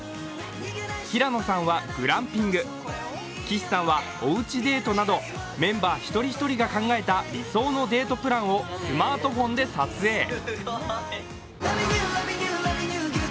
平野さんはグランピング、岸さんはおうちデートなどメンバー一人一人が考えた理想のデートプランをスマートフォンで撮影。